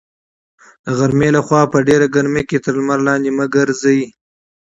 د غرمې لخوا په ډېره ګرمۍ کې تر لمر لاندې مه ګرځئ.